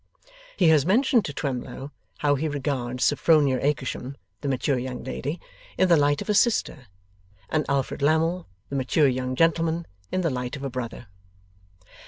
He has mentioned to Twemlow how he regards Sophronia Akershem (the mature young lady) in the light of a sister, and Alfred Lammle (the mature young gentleman) in the light of a brother.